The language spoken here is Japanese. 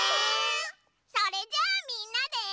それじゃあみんなで。